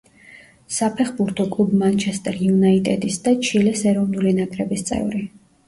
საფეხბურთო კლუბ „მანჩესტერ იუნაიტედის“ და ჩილეს ეროვნული ნაკრების წევრი.